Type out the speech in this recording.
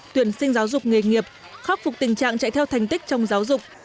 tuyển sinh giáo dục nghề nghiệp khắc phục tình trạng chạy theo thành tích trong giáo dục